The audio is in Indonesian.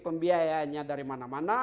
pembiayainya dari mana mana